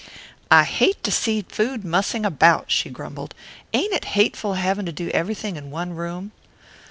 "I hate to see food mussing about," she grumbled. "Ain't it hateful having to do everything in one room?"